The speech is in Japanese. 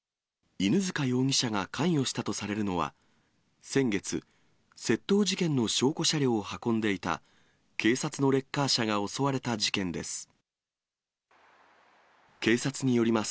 犬塚容疑者が関与したとされるのは、先月、窃盗事件の証拠車両を運んでいた警察のレッカー車が襲われた事件です。